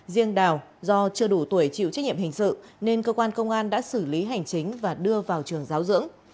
riêng đào do chưa đủ tuổi chịu trách nhiệm hình sự nên cơ quan công an đã xử lý hành chính và đưa vào trường giáo dưỡng